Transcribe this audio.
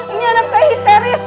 ini anak saya histeris